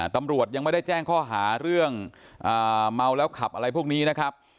ตำรวจยังไม่ได้แจ้งข้อหาเรื่องเมาแล้วขับอะไรพวกนี้นะครับ